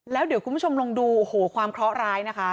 แล้วเดี๋ยวคุณผู้ชมลองดูโอ้โหความเคราะหร้ายนะคะ